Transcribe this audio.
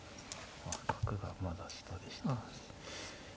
角がまだ下でした。